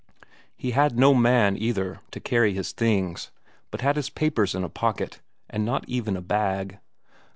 He had no man, either, to carry his things, but had his papers in a pocket, and not even a bag.